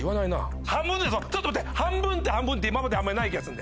ちょっと待って半分って今まであんまりない気がするんだよ！